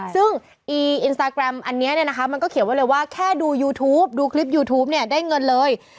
ซึ่งอินสตาแกรมอันนี้เนี่ยนะคะมันก็เขียนไว้เลยว่าแค่ดูยูทูปดูคลิปยูทูปเนี่ยได้เงินเลย